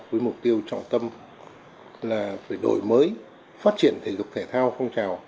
với mục tiêu trọng tâm là phải đổi mới phát triển thể dục thể thao phong trào